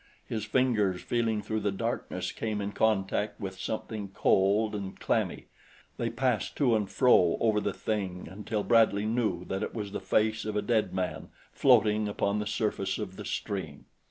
His fingers feeling through the darkness came in contact with something cold and clammy they passed to and fro over the thing until Bradley knew that it was the face of a dead man floating upon the surface of the stream.